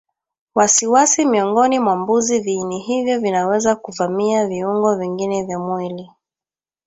wasiwasi Miongoni mwa mbuzi viini hivyo vinaweza kuvamia viungo vingine vya mwili